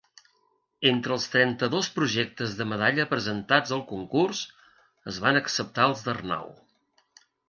Entre els trenta-dos projectes de medalla presentats al concurs, es van acceptar els d'Arnau.